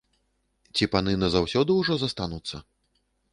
Ці паны назаўсёды ўжо застануцца?